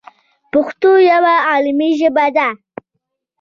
پښتو یوه علمي ژبه ده.